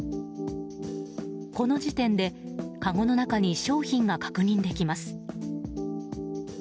この時点でかごの中に商品が確認できます。